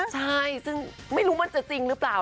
ใช่ซึ่งไม่รู้มันจะจริงหรือเปล่า